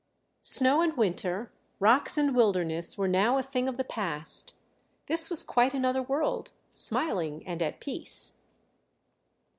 Snow and winter, rocks and wilderness were now a thing of the past; this was quite another world, smiling and at peace.